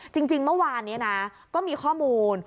จริงเมื่อวานนี้นะก็มีข้อมูล